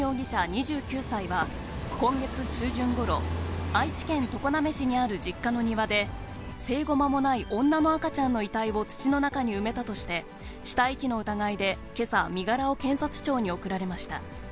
２９歳は、今月中旬ごろ、愛知県常滑市にある実家の庭で、生後間もない女の赤ちゃんの遺体を土の中に埋めたとして、死体遺棄の疑いでけさ、身柄を検察庁に送られました。